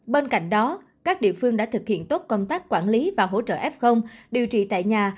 bên cạnh đó các địa phương đã thực hiện tốt công tác quản lý và hỗ trợ f điều trị tại nhà